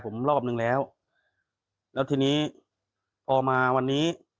ผมรอบนึงแล้วแล้วทีนี้พอมาวันนี้